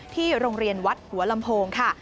ที่โรงเรียนวัดหัวลำโพงค่ะ